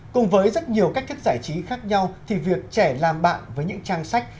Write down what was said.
cùng với rất nhiều cách thức giải trí khác nhau thì việc trẻ làm bạn với những trang sách